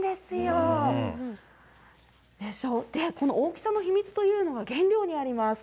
で、この大きさの秘密というのが原料にあります。